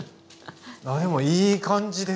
あでもいい感じですよ。